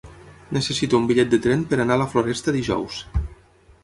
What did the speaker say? Necessito un bitllet de tren per anar a la Floresta dijous.